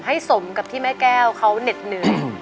สมกับที่แม่แก้วเขาเหน็ดเหนื่อย